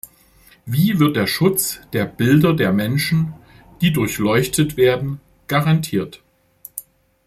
Wie wird der Schutz der Bilder der Menschen, die durchleuchtet werden, garantiert?